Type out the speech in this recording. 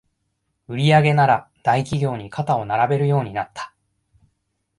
売上なら大企業に肩を並べるようになった